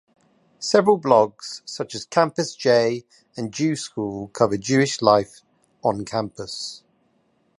Several blogs, such as CampusJ and Jewschool, cover Jewish life on campus.